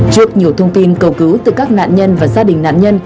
trước nhiều thông tin cầu cứu từ các nạn nhân và gia đình nạn nhân